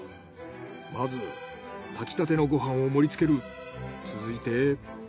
まず炊きたてのご飯を盛りつける。続いて。